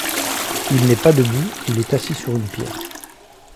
Il n'est pas debout, il est assis sur une pierre.